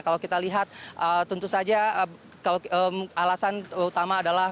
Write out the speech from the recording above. kalau kita lihat tentu saja alasan utama adalah